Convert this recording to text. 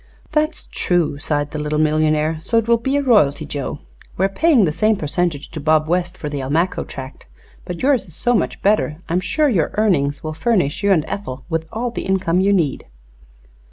"That's true," sighed the little millionaire. "So it will be a royalty, Joe. We are paying the same percentage to Bob West for the Almaquo tract, but yours is so much better that I am sure your earnings will furnish you and Ethel with all the income you need."